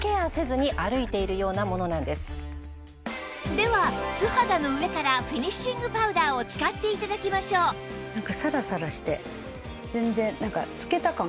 では素肌の上からフィニッシングパウダーを使って頂きましょうかといってなんか。